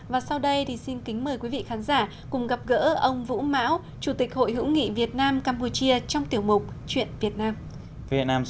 và sau đây thì xin kính mời quý vị khán giả cùng gặp gỡ ông vũ mão chủ tịch hội hữu nghị việt nam campuchia trong tiểu mục chuyện việt nam